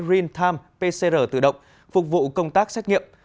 rintam pcr tự động phục vụ công tác xét nghiệm